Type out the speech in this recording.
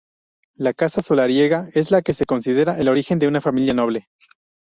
La casa solariega es la que se considera el origen de una familia noble.